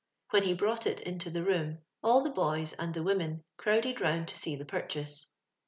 When he brought it into the room, all the boys and the women crowded round to see the purchase.